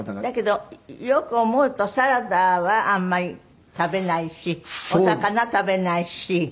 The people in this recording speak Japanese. だけどよく思うとサラダはあんまり食べないしお魚食べないし。